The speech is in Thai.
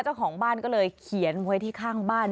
เจ้าของบ้านก็เลยเขียนไว้ที่ข้างบ้าน